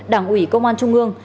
đảng ủy công an trung ương